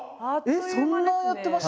えっそんなやってました？